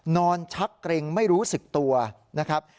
ชักเกร็งไม่รู้สึกตัวนะครับ